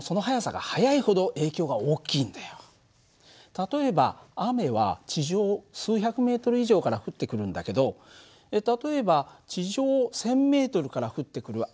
例えば雨は地上数百ｍ以上から降ってくるんだけど例えば地上１，０００ｍから降ってくる雨